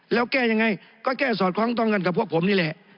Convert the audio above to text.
แล้วแก้ยังไงก็แก้สอดคล้องต้องกันกับพวกผมนี่แหละ